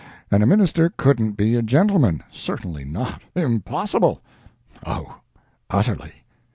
and a Minister couldn't be a gentleman—certainly not! impossible!—oh, utterly!